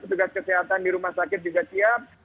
petugas kesehatan di rumah sakit juga siap